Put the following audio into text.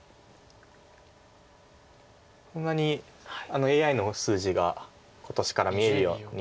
そんなにＡＩの数字が今年から見えるように。